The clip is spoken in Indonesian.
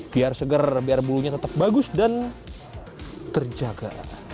biar seger biar bulunya tetap bagus dan terjaga